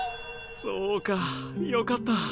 そうかよかった。